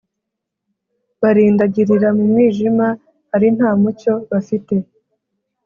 Barindagirira mu mwijima ari nta mucyo bafite .